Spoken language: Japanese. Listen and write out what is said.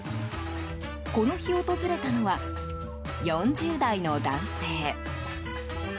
この日、訪れたのは４０代の男性。